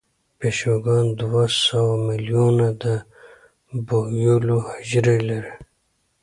پیشوګان دوه سوه میلیونه د بویولو حجرې لري.